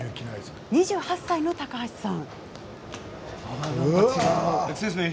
２８歳の高橋さん。